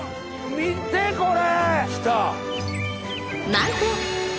見てこれ！